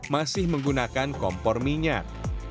masih menggunakan kompor minyak